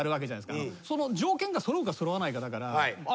その条件が揃うか揃わないかだから。